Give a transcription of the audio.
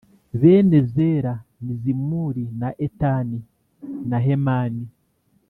Bene Zera ni Zimuri na Etani na Hemani